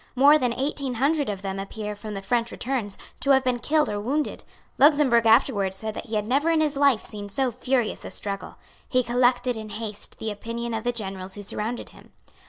More than eighteen hundred of them appear from the French returns to have been killed or wounded. Luxemburg afterwards said that he had never in his life seen so furious a struggle. He collected in haste the opinion of the generals who surrounded him.